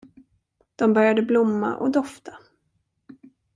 De började blomma och dofta.